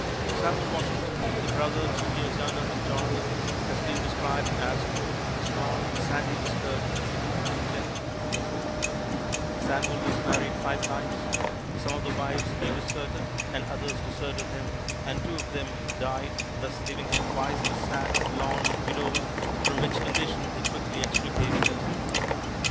Samuel Washington, the brother two years younger than George, has been described as "small, sandy whiskered, shrewd and glib." Samuel was married five times. Some of the wives he deserted and others deserted him, and two of them died, thus leaving him twice a sad, lorn widower, from which condition he quickly extricated himself.